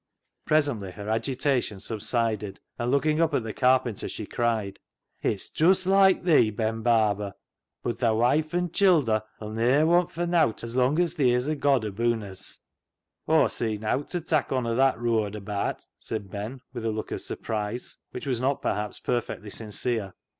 Presently her agitation subsided, and, look ing up at the carpenter, she cried :" It's just loike thee, Ben Barber, bud thy wife an' childer 'ull ne'er want for nowt as long as theer's a God aboon us !"" Aw see nowt ta tak' on o' that rooad abaat," said Ben, with a look of surprise which was not perhaps perfectly sincere.